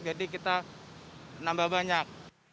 jadi kita menambah banyak